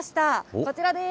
こちらです。